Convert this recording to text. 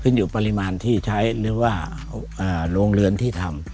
อยู่ปริมาณที่ใช้หรือว่าโรงเรือนที่ทำ